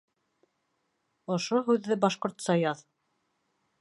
Ошо һүҙҙе башҡортса яҙ